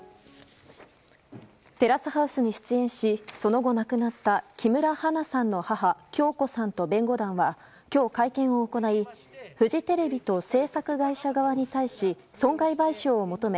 「テラスハウス」に出演しその後、亡くなった木村花さんの母響子さんと弁護団は今日、会見を行いフジテレビと制作会社側に対し損害賠償を求め